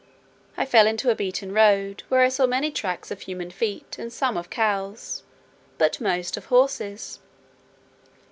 I fell into a beaten road, where I saw many tracts of human feet, and some of cows, but most of horses.